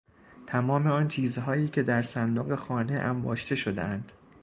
تمام آن چیزهایی که در صندوق خانه انباشته شدهاند